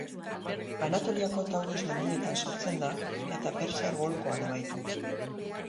Anatoliako Taurus mendietan sortzen da eta Pertsiar Golkoan amaitu.